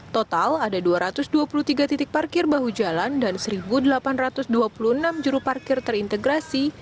total ada dua ratus dua puluh tiga titik parkir bahu jalan dan satu delapan ratus dua puluh enam juru parkir terintegrasi